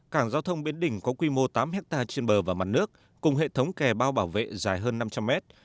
cảng giao thông biến đỉnh có quy mô tám hectare trên bờ và mặt nước cùng hệ thống kè bao bảo vệ dài hơn năm trăm linh mét